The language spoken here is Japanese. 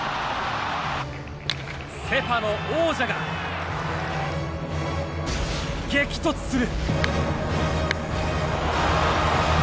セ・パの王者が激突する。